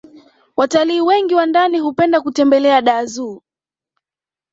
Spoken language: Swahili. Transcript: watalii wengi wa ndani hupenda kutembelea dar zoo